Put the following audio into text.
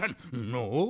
のう？